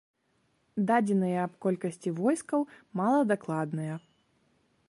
Дадзеныя аб колькасці войскаў мала дакладныя.